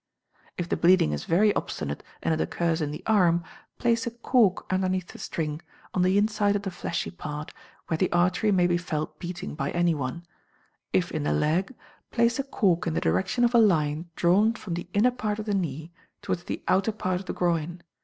If the bleeding is very obstinate, and it occurs in the arm, place a cork underneath the string, on the inside of the fleshy part, where the artery may be felt beating by any one; if in the leg, place a cork in the direction of a line drawn from the inner part of the knee towards the outer part of the groin.